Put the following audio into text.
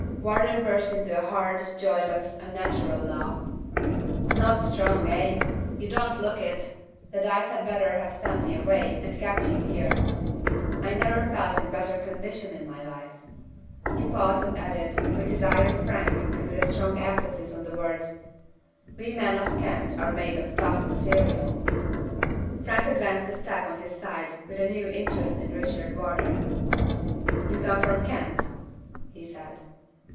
Wardour burst into a hard, joyless, unnatural laugh. "Not strong, eh? You don't look it. The dice had better have sent me away, and kept you here. I never felt in better condition in my life." He paused and added, with his eye on Frank and with a strong emphasis on the words: "We men of Kent are made of tough material." Frank advanced a step on his side, with a new interest in Richard Wardour. "You come from Kent?" he said.